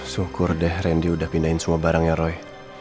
syukur deh randy udah pindahin semua barangnya roy